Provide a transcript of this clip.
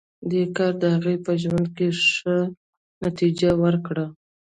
دې کار د هغه په ژوند کې ښه نتېجه ورکړه